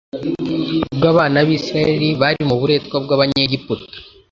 Ubwo abana b'Isiraheli bari mu buretwa bw'Abanyegiputa,